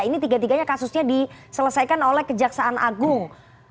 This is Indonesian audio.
ini tiga tiganya kasusnya diselesaikan oleh kejaksaan agung